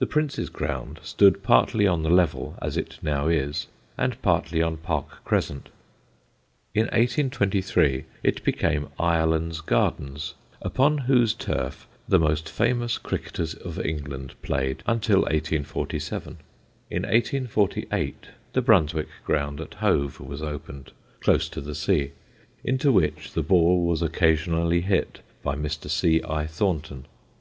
The Prince's ground stood partly on the Level as it now is, and partly on Park Crescent. In 1823, it became Ireland's Gardens, upon whose turf the most famous cricketers of England played until 1847. In 1848 the Brunswick ground at Hove was opened, close to the sea, into which the ball was occasionally hit by Mr. C. I. Thornton.